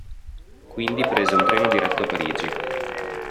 Quindi prese un treno diretto a Parigi.